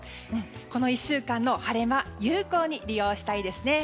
この１週間の晴れ間有効に利用したいですね。